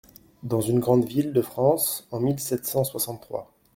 Dans une grande ville de France, en mille sept cent soixante-trois.